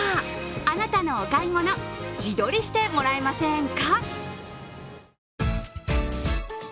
あなたのお買い物自撮りしてもらえませんか？